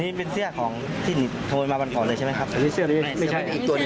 นี่เป็นเสื้อของที่โทนมาบรรพอเลยใช่ไหมครับอันนี้เสื้อไม่ใช่ไม่ใช่อีกตัวนี้